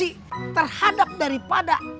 inspeksi terhadap daripada